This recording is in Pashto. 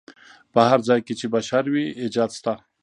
په هر ځای کې چې بشر وي ایجاد شته.